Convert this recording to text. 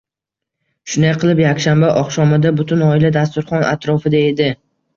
Shunday qilib, yakshanba oqshomida butun oila dasturxon atrofida edi